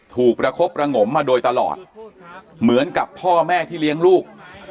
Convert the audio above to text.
ประคบประงมมาโดยตลอดเหมือนกับพ่อแม่ที่เลี้ยงลูก